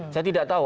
saya tidak tahu